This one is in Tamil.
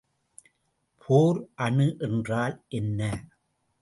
போர் அணு என்றால் என்ன?